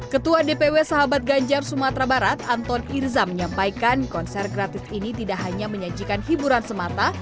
ketua dpw sahabat ganjar sumatera barat anton irza menyampaikan konser gratis ini tidak hanya menyajikan hiburan semata